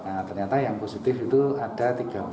nah ternyata yang positif itu ada tiga puluh